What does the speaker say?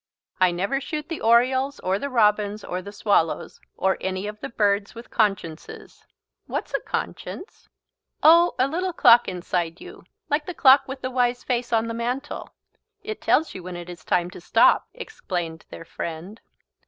I never shoot the orioles or the robins or the swallows or any of the birds with consciences." "What is a conscience?" "Oh a little clock inside you, like the Clock with the Wise Face on the Mantel. It tells you when it is time to stop," explained their friend.